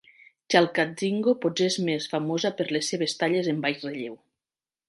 Chalcatzingo potser és més famosa per les seves talles en baix relleu.